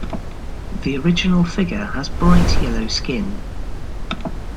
The original figure has bright yellow skin.